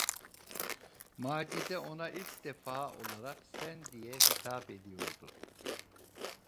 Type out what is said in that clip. Macide ona ilk defa olarak "Sen" diye hitap ediyordu.